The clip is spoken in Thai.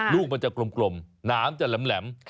รูปมันจะกลมหนามจะแหลม